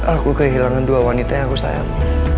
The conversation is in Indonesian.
aku kehilangan dua wanita yang aku sayang